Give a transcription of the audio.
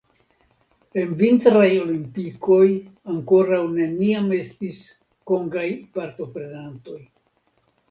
En vintraj olimpikoj ankoraŭ neniam estis kongaj partoprenantoj.